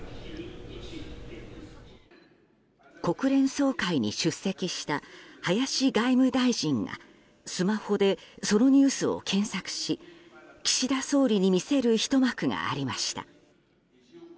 国連総会に出席した林外務大臣がスマホで、そのニュースを検索し岸田総理に見せるひと幕がありました。